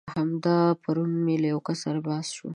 همدا پرون مې له يو کس سره بحث شو.